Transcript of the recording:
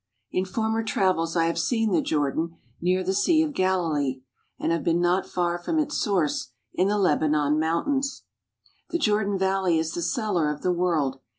In former travels I have seen the Jordan, near the Sea of Galilee, and have been not far from its source in the Lebanon Mountains. The Jordan Valley is the cellar of the world.